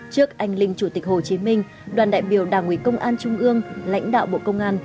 trước anh linh chủ tịch hồ chí minh đoàn đại biểu đảng ủy công an trung ương lãnh đạo bộ công an